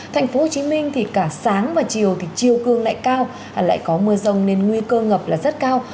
thành phố hồ chí minh thì cả sáng và chiều thì chiều cương lại cao lại có mưa rông nên nguy cơ ngập là rất cao